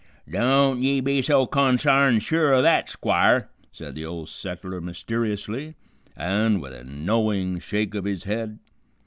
"Don't ye be so consarned sure o' that, Squire," said the Old Settler mysteriously, and with a knowing shake of his head.